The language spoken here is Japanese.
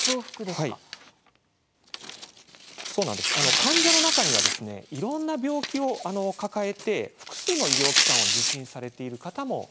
患者の中にはいろんな病気を抱えて複数の医療機関を受診されている方もいます。